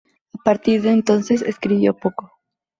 A partir de entonces, escribió poco.